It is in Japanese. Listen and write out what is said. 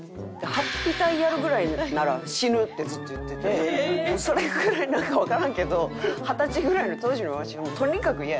「ハッピ隊やるぐらいなら死ぬ」ってずっと言っててそれぐらいなんかわからんけど二十歳ぐらいの当時のわしはとにかく嫌やってんハッピ隊が。